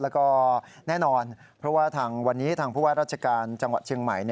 แล้วก็แน่นอนเพราะว่าทางวันนี้ทางผู้ว่าราชการจังหวัดเชียงใหม่